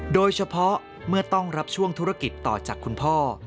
โดยเฉพาะเมื่อต้องรับช่วงธุรกิจต่อจากคุณพ่อ